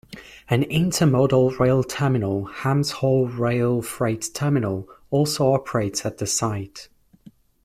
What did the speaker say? An intermodal rail terminal Hams Hall Rail Freight Terminal also operates at the site.